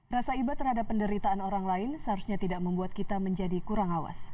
rasa iba terhadap penderitaan orang lain seharusnya tidak membuat kita menjadi kurang awas